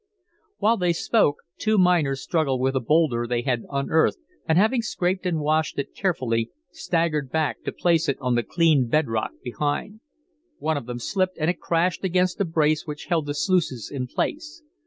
While they spoke, two miners struggled with a bowlder they had unearthed, and having scraped and washed it carefully, staggered back to place it on the cleaned bed rock behind. One of them slipped, and it crashed against a brace which held the sluices in place.